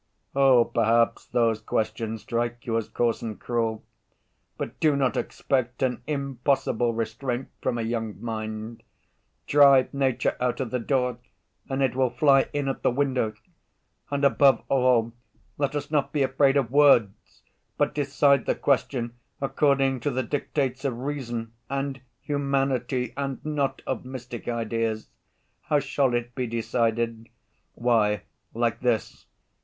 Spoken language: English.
"Oh, perhaps those questions strike you as coarse and cruel, but do not expect an impossible restraint from a young mind. 'Drive nature out of the door and it will fly in at the window,' and, above all, let us not be afraid of words, but decide the question according to the dictates of reason and humanity and not of mystic ideas. How shall it be decided? Why, like this.